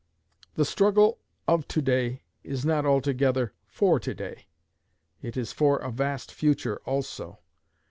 The struggle of to day is not altogether for to day it is for a vast future also.